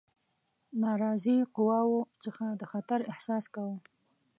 ناراضي قواوو څخه د خطر احساس کاوه.